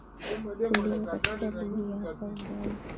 tulivyo katika ligi ya hapa uganda